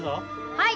はい！